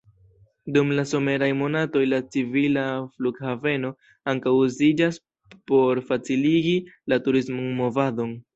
Dum la someraj monatoj la civila flughaveno ankaŭ uziĝas por faciligi la turisman movadon.